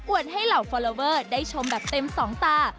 ให้เหล่าฟอลลอเวอร์ได้ชมแบบเต็มสองตา